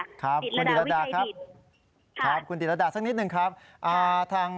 ครับคุณดิรัดาครับคุณดิรัดาสักนิดหนึ่งครับคุณดิรัดาครับ